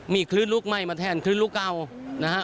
มีคฤตลูกไหมมาแทนคฤตลูกเก่านะฮะ